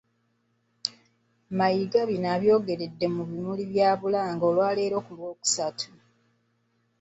Mayiga bino abyogeredde mu bimuli bya Bulange olwaleero ku Lwokusatu.